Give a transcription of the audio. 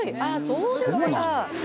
そうですか。